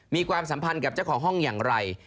ความสัมพันธ์กับเจ้าของห้องอย่างไร